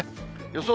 予想